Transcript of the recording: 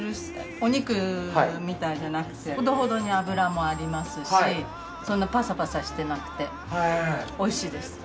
お肉みたいじゃなくてほどほどに脂もありますしそんなパサパサしてなくておいしいです。